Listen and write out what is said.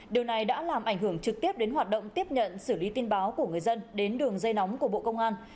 điều này đã làm ảnh hưởng trực tiếp đến hoạt động tiếp nhận xử lý tin báo của người dân đến đường dây nóng của bộ công an